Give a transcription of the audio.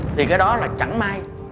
thì cái đó là chẳng may